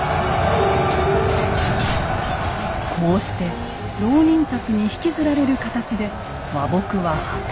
こうして牢人たちに引きずられる形で和睦は破綻。